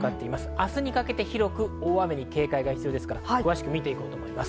明日にかけて広く大雨に警戒が必要ですから詳しく見て行こうと思います。